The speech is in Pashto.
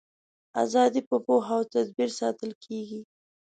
ازادي په پوهه او تدبیر ساتل کیږي.